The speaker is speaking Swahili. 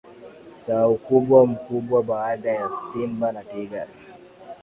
cha ukubwa mkubwa baada ya simba na tigers